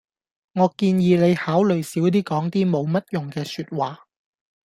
我建議你考慮少啲講啲冇乜用嘅說話